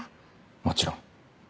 もちろん。